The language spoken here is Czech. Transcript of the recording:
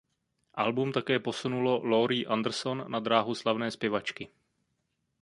Album také posunulo Laurie Anderson na dráhu slavné zpěvačky.